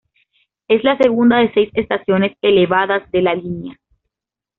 Es la segunda de seis estaciones elevadas de la línea.